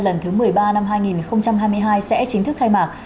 lần thứ một mươi ba năm hai nghìn hai mươi hai sẽ chính thức khai mạc